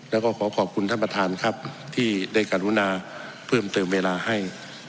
แล้วก็ขอขอบคุณท่านประธานครับที่ได้การุณาเพิ่มเติมเวลาให้